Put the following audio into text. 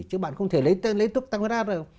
chứ bạn không thể lấy thuốc tăng khuyết áp rồi